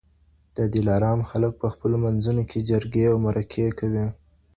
د دلارام خلک په خپلو منځونو کي جرګې او مرکې کوي